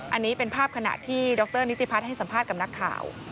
อันนี้เป็นภาพขณะที่ดรนิติพัฒน์ให้สัมภาษณ์กับนักข่าว